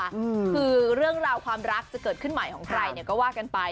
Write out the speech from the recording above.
คือเรื่องราวความรักจะเกิดขึ้นใหม่ของใครเนี่ยก็ว่ากันไป